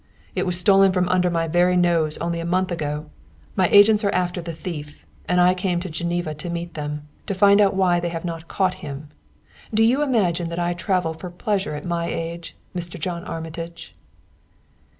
"It was stolen from under my very nose only a month ago! That's what I'm here for my agents are after the thief, and I came to Geneva to meet them, to find out why they have not caught him. Do you imagine that I travel for pleasure at my age, Mr. John Armitage?"